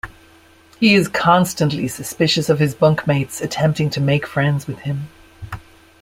He is constantly suspicious of his bunkmates attempting to make friends with him.